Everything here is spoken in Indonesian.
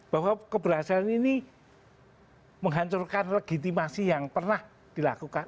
bahwa keberhasilan ini menghancurkan legitimasi yang pernah dilakukan